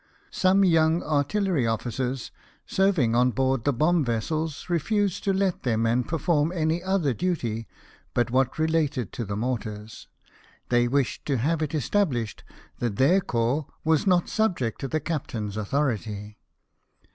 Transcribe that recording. Some young artillery officers, serving on board the bomb vessels, refused to let their men perform, any other duty but what related to the mortars. They wished to have it established that their corps was not subject to the captain's authority.